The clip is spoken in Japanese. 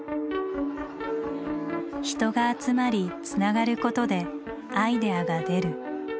人が集まりつながることでアイデアが出る。